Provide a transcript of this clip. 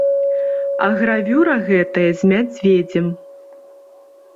А гравюра гэтая з мядзведзем.